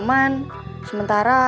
kau bisa berjaya